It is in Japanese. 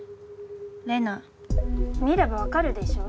玲奈見れば分かるでしょ